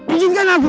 ijinkan aku guru